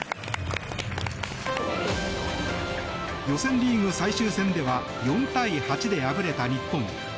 予選リーグ最終戦では４対８で敗れた日本。